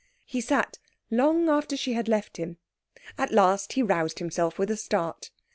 He sat long after she had left him. At last he roused himself with a start.